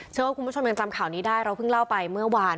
คุณผู้ชมยังจำข่าวนี้ได้เราเพิ่งเล่าไปเมื่อวาน